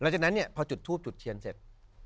หลังจากนั้นพอจุดทูบจุดเทียนเสร็จ